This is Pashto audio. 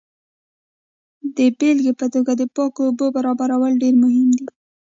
د بیلګې په توګه د پاکو اوبو برابرول ډیر مهم دي.